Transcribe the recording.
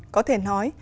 có thể nói